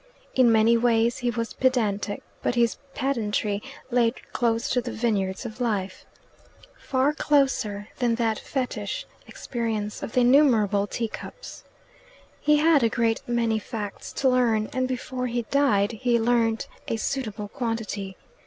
In many ways he was pedantic; but his pedantry lay close to the vineyards of life far closer than that fetich Experience of the innumerable tea cups. He had a great many facts to learn, and before he died he learnt a suitable quantity.